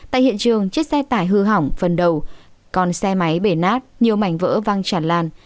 tại hiện trường chiếc xe tải hư hỏng phần đầu còn xe máy bể nát nhiều mảnh vỡ văng chản lan